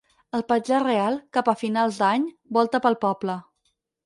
El patge real, cap a finals d'any, volta pel poble.